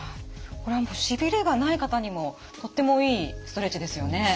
これはしびれがない方にもとってもいいストレッチですよね。